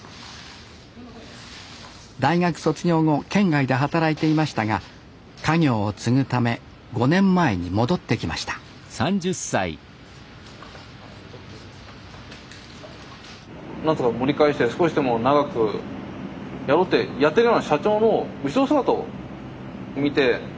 大学卒業後県外で働いていましたが家業を継ぐため５年前に戻ってきました何とか盛り返して少しでも長くやろうってやってるような社長の後ろ姿を見てかっこいいなって思って。